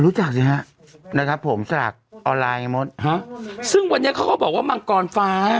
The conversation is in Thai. รู้จักสิฮะนะครับผมจากออนไลน์ฮะซึ่งวันนี้เขาก็บอกว่ามังกรฟ้า